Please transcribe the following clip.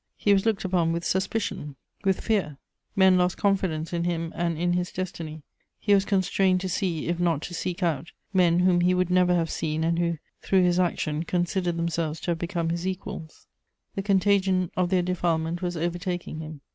He was looked upon with suspicion, with fear; men lost confidence in him and in his destiny; he was constrained to see, if not to seek out, men whom he would never have seen, and who, through his action, considered themselves to have become his equals: the contagion of their defilement was overtaking him.